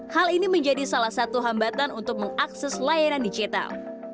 hal ini menjadi salah satu hambatan untuk mengakses layanan digital